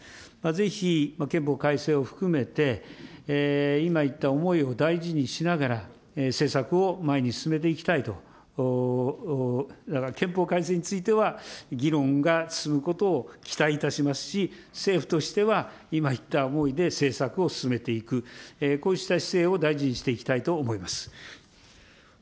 ぜひ、憲法改正を含めて、今言った思いを大事にしながら、政策を前に進めていきたいと、憲法改正については、議論が進むことを期待いたしますし、政府としては今言った思いで政策を進めていく、こうした姿勢を大事にしていきたいと思います。